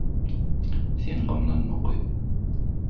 Sen gamlanma, goý